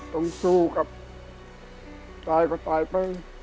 ต้องสู้กับตายก็ตายไป